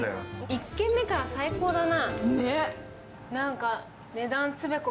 １軒目から最高だな。